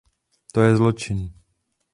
To je zločin.